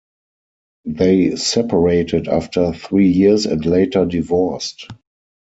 They separated after three years and later divorced.